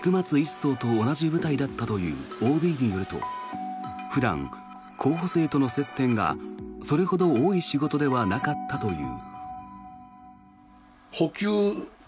曹と同じ部隊だったというＯＢによると普段、候補生との接点がそれほど多い仕事ではなかったという。